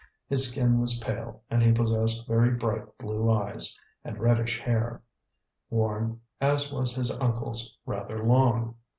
His skin was pale, and he possessed very bright blue eyes, and reddish hair, worn as was his uncle's rather long.